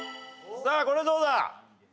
さあこれどうだ？